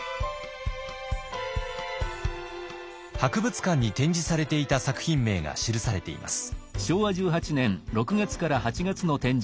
博物館に展示されていた作品名が記されています。